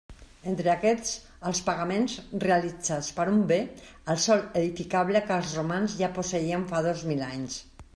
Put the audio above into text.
Entre aquests, els pagaments realitzats per un bé, el sòl edificable, que els romans ja posseïen fa dos mil anys.